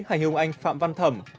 hải hương anh phạm văn thẩm